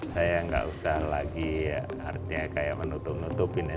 saya nggak usah lagi ya artinya kayak menutup nutupin ya